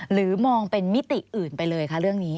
หรือมองเป็นมิติอื่นไปเลยคะเรื่องนี้